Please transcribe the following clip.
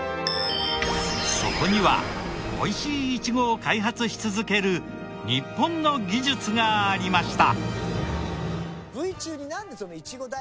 そこにはおいしいイチゴを開発し続ける日本の技術がありました。